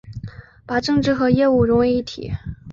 把政治和业务融为一体